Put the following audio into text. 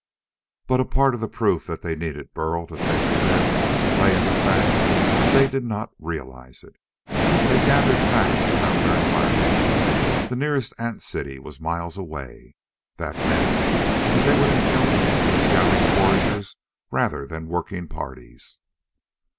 But a part of the proof that they needed Burl to think for them lay in the fact that they did not realize it. They gathered facts about their environment. The nearest ant city was miles away. That meant that they would encounter its scouting foragers rather than working parties.